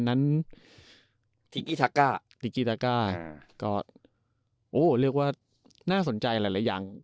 นั้นติกกี้ทักก้าติกกี้ทักก้าอ่าก็โหเรียกว่าน่าสนใจหลายหลายอย่าง